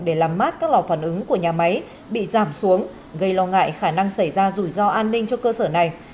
để làm mát các lò phản ứng của nhà máy bị giảm xuống gây lo ngại khả năng xảy ra rủi ro an ninh cho cơ sở này